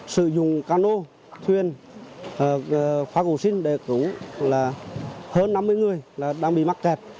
sử dụng cano thuyền phá cổ xin để cứu hơn năm mươi người đang bị mắc kẹt